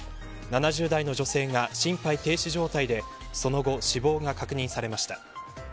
７０代の女性が心肺停止状態でその後、死亡が確認されました。